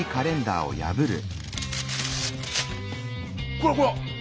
こらこら！